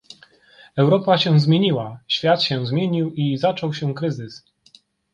Europa się zmieniła, świat się zmienił i zaczął się kryzys